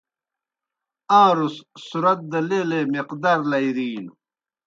آن٘روْس صُرت دہ لیلے مقدار لائِرِینوْ۔